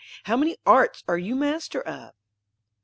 How many arts are you master of?'